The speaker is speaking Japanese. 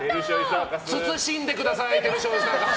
慎んでください！